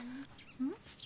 うん？